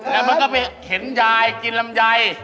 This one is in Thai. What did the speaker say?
แล้วมันก็ไปเข็นยายกินลำไย